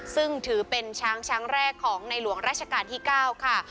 ซึ่งถือเป็นช้างช้างแรกของในหลวงราชการที่๙ค่ะ